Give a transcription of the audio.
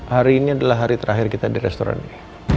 hari ini adalah hari terakhir kita di restoran ini